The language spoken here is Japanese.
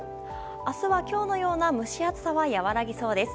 明日は今日のような蒸し暑さは和らぎそうです。